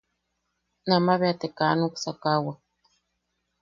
Nama bea te kaa nuksakawak.